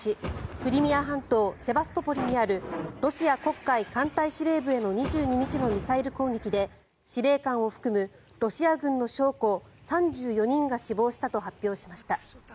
クリミア半島セバストポリにあるロシア黒海艦隊司令部への２２日のミサイル攻撃で司令官を含むロシア軍の将校３４人が死亡したと発表しました。